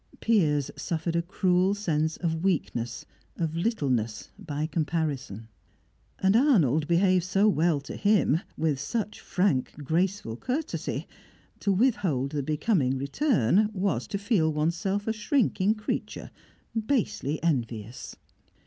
Piers suffered a cruel sense of weakness, of littleness, by comparison. And Arnold behaved so well to him, with such frank graceful courtesy; to withhold the becoming return was to feel oneself a shrinking creature, basely envious.